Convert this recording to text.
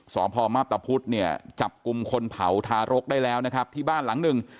สพมาพตะพุธเนี่ยจับกลุ่มคนเผาทารกได้แล้วนะครับที่บ้านหลังหนึ่ง